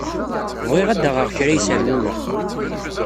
Bɣiɣ ad d-aɣeɣ kra iserwula.